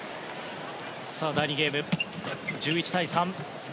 第２ゲーム、１１対３。